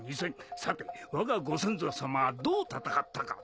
さてわがご先祖様はどう戦ったか。